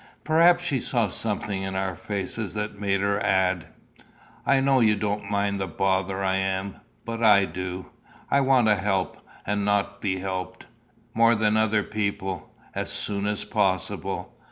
Perhaps she saw something in our faces that made her add "I know you don't mind the bother I am; but I do. I want to help, and not be helped more than other people as soon as possible.